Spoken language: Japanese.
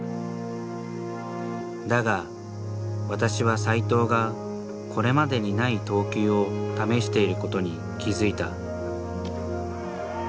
だが私は斎藤がこれまでにない投球を試していることに気付いた。